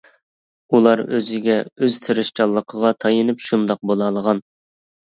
ئۇلار ئۆزىگە، ئۆز تىرىشچانلىقىغا تايىنىپ شۇنداق بولالىغان.